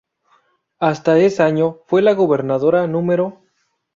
Hasta es año, fue la Gobernadora No.